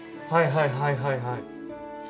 はいはいはいはい。